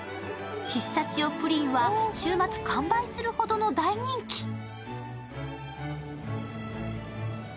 ピスタチオプリンは週末完売するほどの大人気。